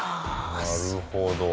なるほど。